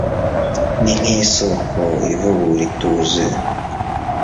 Ni nkisoko ivubura ituze